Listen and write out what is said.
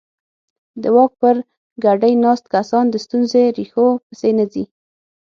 د واک پر ګدۍ ناست کسان د ستونزې ریښو پسې نه ځي.